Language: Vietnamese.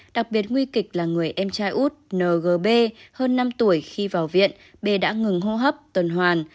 đặc biệt nguy kịch là người em trai út ngb hơn năm tuổi khi vào viện b đã ngừng hô hấp tuần hoàn